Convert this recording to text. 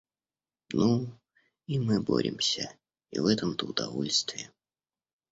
Ну, и мы боремся, и в этом-то удовольствие.